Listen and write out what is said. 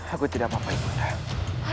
aku tidak apa apa ibu nanda